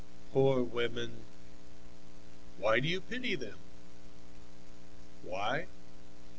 "Poor women!" "Why do you pity them?" "Why?